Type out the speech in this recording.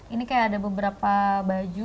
ini kayak ada beberapa baju